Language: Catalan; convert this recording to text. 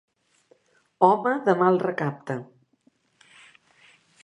Home de mal recapte.